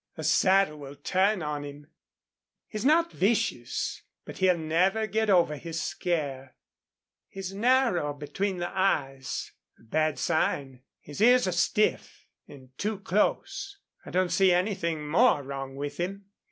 A saddle will turn on him. He's not vicious, but he'll never get over his scare. He's narrow between the eyes a bad sign. His ears are stiff and too close. I don't see anything more wrong with him."